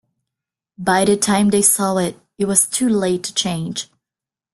By the time they saw it, it was too late to change.